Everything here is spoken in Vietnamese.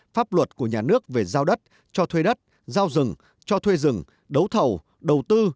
pháp luật của nhà nước về giao đất cho thuê đất giao rừng cho thuê rừng đấu thầu đầu tư